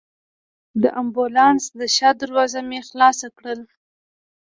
د امبولانس د شا دروازه مې خلاصه کړل.